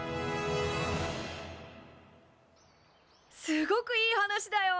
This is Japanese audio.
すごくいい話だよ！